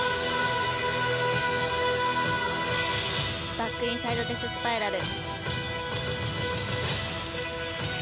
バックインサイドデススパイラル。